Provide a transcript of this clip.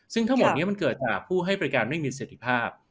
ซึ่งทั้งหมดนี้มันเกิดจากผู้ให้บริการไม่มีสิทธิภาพ